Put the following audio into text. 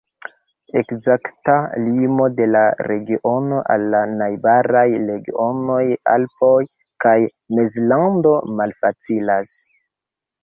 Ekzakta limo de la regiono al la najbaraj regionoj Alpoj kaj Mezlando malfacilas.